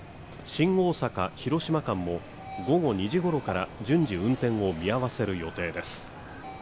新大阪−広島間も午後２時ごろから順次運転を見合わせる予定です。